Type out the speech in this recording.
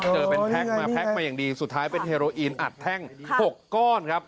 เจอเป็นแพ็คมาแพ็คมาอย่างดีสุดท้ายเป็นเฮโรอีนอัดแท่ง๖ก้อนครับ